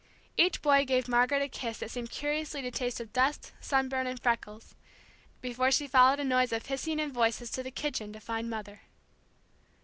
Each boy gave Margaret a kiss that seemed curiously to taste of dust, sunburn, and freckles, before she followed a noise of hissing and voices to the kitchen to find Mother.